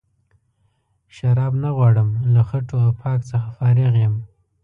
شراب نه غواړم له خټو او پاک څخه فارغ یم.